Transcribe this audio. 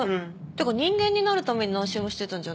てか人間になるために何周もしてたんじゃないの？